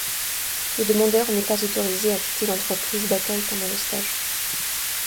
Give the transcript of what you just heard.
Le demandeur n'est pas autorisé à quitter l'entreprise d'accueil pendant le stage.